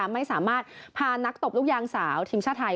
ไม่สามารถพานักตบลูกยางสาวทีมชาติไทย